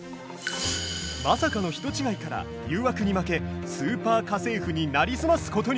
まさかの人違いから誘惑に負け「スーパー家政婦」になりすますことに。